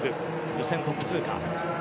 予選トップ通過。